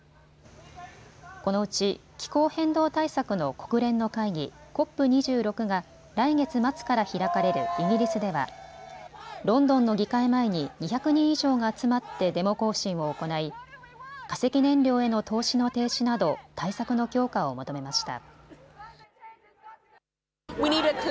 このうち、気候変動対策の国連の会議、ＣＯＰ２６が来月末から開かれるイギリスではロンドンの議会前に２００人以上が集まってデモ行進を行い、化石燃料への投資の停止など対策の強化を求めました。